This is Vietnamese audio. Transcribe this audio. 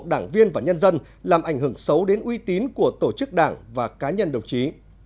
đảng viên và nhân dân làm ảnh hưởng xấu đến uy tín của tổ chức đảng và cá nhân đồng chí